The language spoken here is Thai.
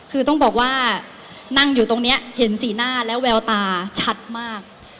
คือต้องบอกว่านั่งอยู่ตรงนี้เห็นสีหน้าและแววตาชัดมาก